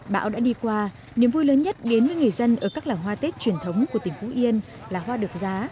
bão đã đi qua niềm vui lớn nhất đến với người dân ở các làng hoa tết truyền thống của tỉnh phú yên là hoa được giá